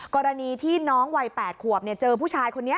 กรณีที่น้องวัยแปดควบเนี่ยเจอผู้ชายคนเนี้ย